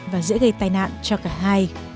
và dễ gây tai nạn cho cả hai